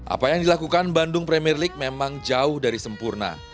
apa yang dilakukan bandung premier league memang jauh dari sempurna